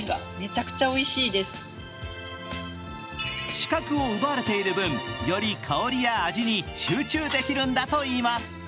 視覚を奪われている分、より香りや味に集中できるんだといいます。